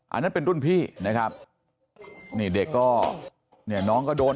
อันนั้นเป็นรุ่นพี่นะครับนี่เด็กก็เนี่ยน้องก็โดน